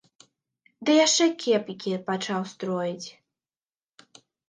Ды яшчэ кепікі пачаў строіць.